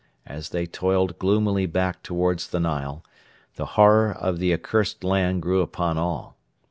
As they toiled gloomily back towards the Nile, the horror of the accursed land grew upon all.